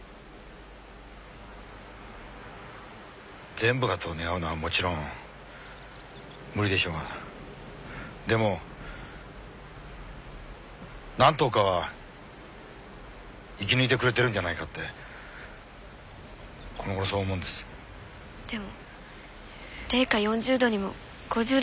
「全部が」と願うのはもちろん無理でしょうがでも何頭かは生き抜いてくれてるんじゃないかってこのごろそう思うんですでも零下４０℃にも５０℃にもなるんでしょう？